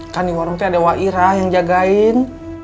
kan di warung itu ada wairah yang jagain